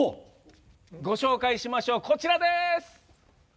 ご紹介しましょう、こちらです。